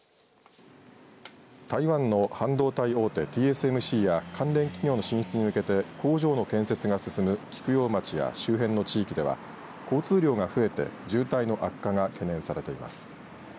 台湾の半導体大手ＴＳＭＣや関連企業の進出に向けて工場の建設が進む菊陽町や周辺の地域では交通量が増えて渋滞の悪化が懸念されています。